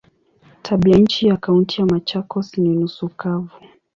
Tabianchi ya Kaunti ya Machakos ni nusu kavu.